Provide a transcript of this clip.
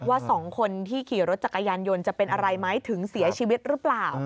ว่าสองคนที่ขี่รถจักรยานยนต์จะเป็นอะไรไหมถึงเสียชีวิตหรือเปล่า